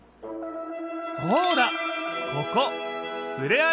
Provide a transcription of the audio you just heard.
そうだ！